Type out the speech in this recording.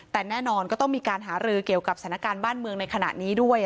แต่แน่นอนก็ต้องมีการหารือเกี่ยวกับสถานการณ์บ้านเมืองในขณะนี้ด้วย